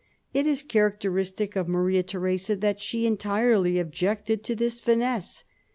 It is characteristic of Maria Theresa that she entirely objected to this finesse.